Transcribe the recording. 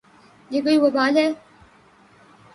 یہ کوئی وبال ہے۔